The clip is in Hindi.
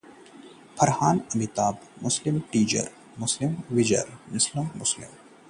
फरहान अख्तर और अमिताभ की फिल्म 'वजीर' का टीजर रिलीज